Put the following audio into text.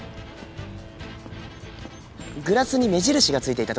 グラスに目印がついていたとか。